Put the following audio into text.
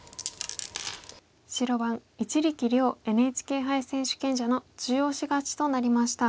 白番一力遼ＮＨＫ杯選手権者の中押し勝ちとなりました。